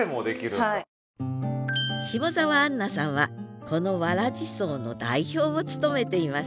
下沢杏奈さんはこのわらじ荘の代表を務めています